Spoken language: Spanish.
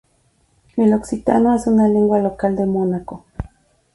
El occitano es una lengua local de Mónaco.